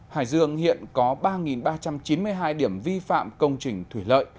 hải dương hiện có ba ba trăm chín mươi hai điểm vi phạm công trình thủy lợi